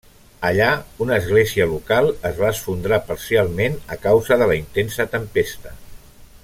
Allà, una església local es va esfondrar parcialment a causa de la intensa tempesta.